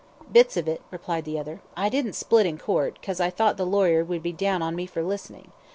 "Bits of it," replied the other. "I didn't split in Court, 'cause I thought the lawyer would be down on me for listening.